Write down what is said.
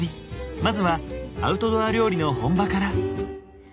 まずはアウトドア料理の本場から。